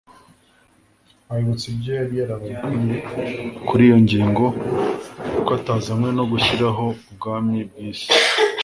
Abibutsa ibyo yari yarababwiye kuri iyo ngingo ko atazanywe no gushyiraho ubwami bw'isi,